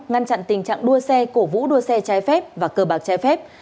ngăn chặn tình trạng đua xe cổ vũ đua xe trái phép và cờ bạc trái phép